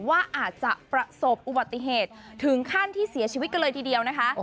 ว่าอาจจะประสบอุบัติเหตุถึงขั้นที่เสียชีวิตกันเลยทีเดียวนะคะ